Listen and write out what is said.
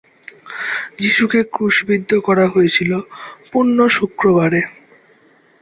যিশুকে ক্রুশবিদ্ধ করা হয়েছিল পুণ্য শুক্রবারে।